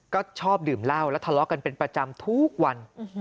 ก็ชอบดื่มเหล้าและทะเลาะกันเป็นประจำทุกวัน